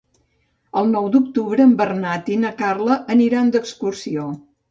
El nou d'octubre en Bernat i na Carla aniran d'excursió.